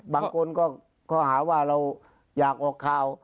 บางคนก็ข้อหาว่าเราอยากออกข่าว